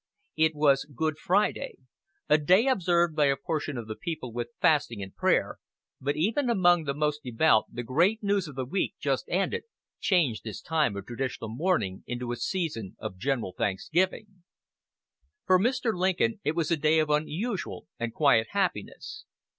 It was Good Friday, a day observed by a portion of the people with fasting and prayer, but even among the most devout the great news of the week just ended changed this time of traditional mourning into a season of general thanksgiving. For Mr. Lincoln it was a day of unusual and quiet happiness.